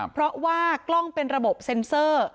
เพราะว่ากล้องเป็นระบบเซ็นเซอร์